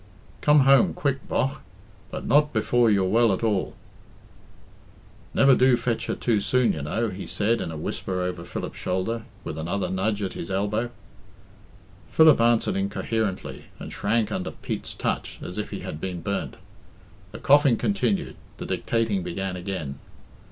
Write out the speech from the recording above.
(Cough, cough.) Come home quick, bogh; but not before you're well at all.' ... Never do to fetch her too soon, you know," he said in a whisper over Philip's shoulder, with another nudge at his elbow. Philip answered incoherently, and shrank under Pete's touch as if he had been burnt. The coughing continued; the dictating began again.